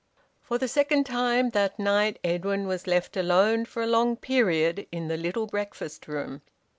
For the second time that night Edwin was left alone for a long period in the little breakfast room.